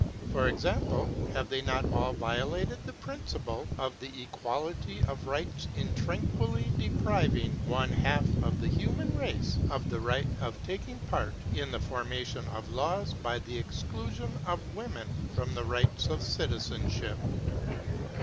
For example, have they not all violated the principle of the equality of rights in tranquilly depriving one half of the human race of the right of taking part in the formation of laws by the exclusion of women from the rights of citizenship?